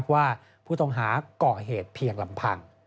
ว่าผู้ต้องหาก่อเหตุเพียงลำพัง